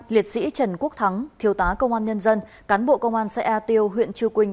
hai liệt sĩ trần quốc thắng thiếu tá công an nhân dân cán bộ công an xã eca tu huyện chư quynh